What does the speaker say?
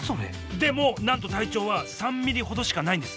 でもなんと体長は３ｍｍほどしかないんです。